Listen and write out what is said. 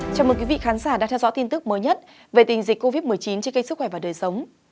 chào mừng quý vị khán giả đang theo dõi tin tức mới nhất về tình dịch covid một mươi chín trên cây sức khỏe và đời sống